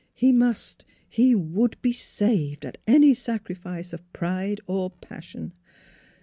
He must he would be " saved " at any sacrifice of pride or passion.